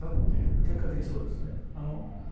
結果的にそうですね。